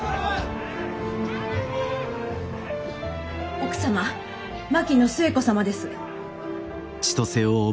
・奥様槙野寿恵子様です。